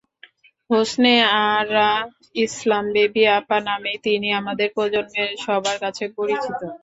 Hosne Ara Islam Baby আপা নামেই তিনি আমাদের প্রজন্মের সবার কাছে পরিচিত।